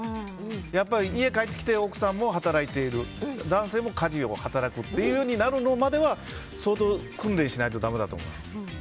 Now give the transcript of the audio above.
やっぱり家に帰ってきて奥さんも働いている男性も家事を働くとなるまでは相当訓練しないとだめだと思います。